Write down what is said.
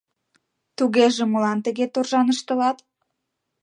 — Тугеже молан тыге торжан ыштылат?..